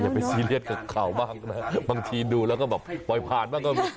ไปซีเรียสกับข่าวบ้างนะบางทีดูแล้วก็แบบปล่อยผ่านบ้างก็มี